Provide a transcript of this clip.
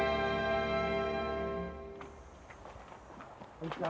こんにちは。